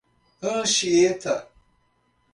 Anchieta